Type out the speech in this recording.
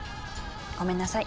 ごめんなさい。